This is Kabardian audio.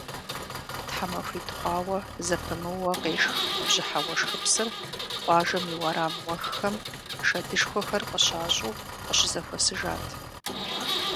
ТхьэмахуитӀ хъуауэ зэпымыууэ къешх бжьыхьэ уэшхыпсыр къуажэм и уэрам уэххэм шэдышхуэхэр къыщащӀу къыщызэхуэсыжат.